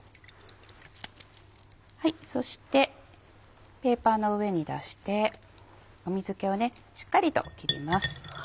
そしてペーパーの上に出して水気をしっかりと切ります。